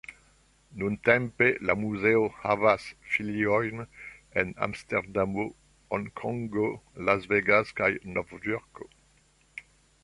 Nuntempe la muzeo havas filiojn en Amsterdamo, Honkongo, Las Vegas kaj Novjorko.